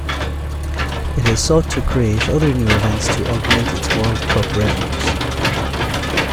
It has sought to create other new events to augment its World Cup revenues.